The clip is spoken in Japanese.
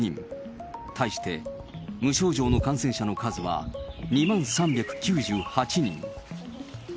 対して無症状の感染者の数は２万３９８人。